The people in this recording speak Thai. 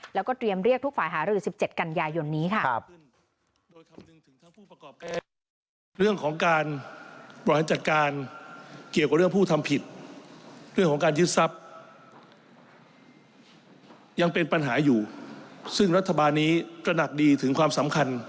แล้วก็เตรียมเรียกทุกฝ่ายหารือ๑๗กันยายนนี้ค่ะ